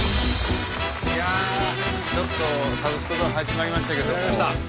いやちょっと「サブスク堂」始まりましたけども。